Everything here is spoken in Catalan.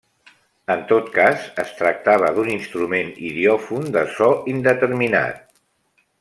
En tot cas, es tractava d'un instrument idiòfon de so indeterminat.